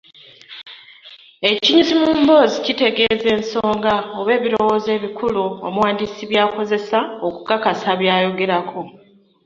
Ekinyusi mu mboozi kitegeeza ensonga oba ebirowoozo ebikulu omuwandiisi by’akozesa okukakasa ky’ayogerako.